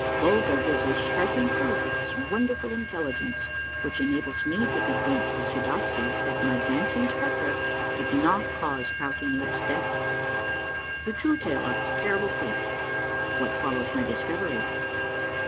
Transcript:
— BULGER GIVES A STRIKING PROOF OF HIS WONDERFUL INTELLIGENCE WHICH ENABLES ME TO CONVINCE THE SOO DOPSIES THAT MY " DANCING SPECTRE " DID NOT CAUSE POUTING LIP'S DEATH. — THE TRUE TALE OF HIS TERRIBLE FATE. — WHAT FOLLOWS MY DISCOVERY.